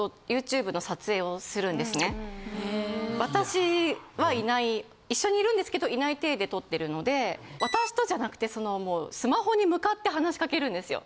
私はいない一緒にいるんですけどいない体で撮ってるので私とじゃなくてそのもうスマホに向かって話しかけるんですよ。